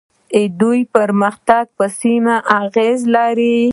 د دوی پرمختګ په سیمه اغیز لري.